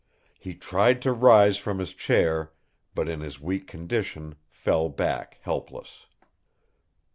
He tried to rise from his chair, but in his weak condition fell back, helpless.